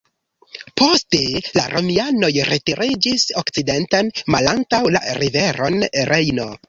Poste la romianoj retiriĝis okcidenten malantaŭ la riveron Rejno.